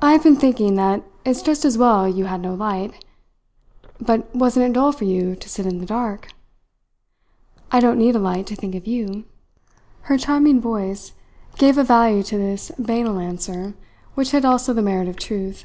"I have been thinking that it is just as well you had no light. But wasn't it dull for you to sit in the dark?" "I don't need a light to think of you." Her charming voice gave a value to this banal answer, which had also the merit of truth.